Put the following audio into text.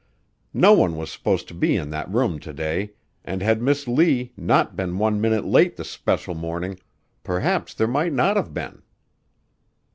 No one was supposed to be in that room to day, and had Miss Lee not been one minute late this especial morning, perhaps there might not have been.